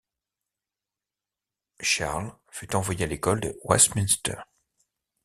Charles fut envoyé à l'école de Westminster.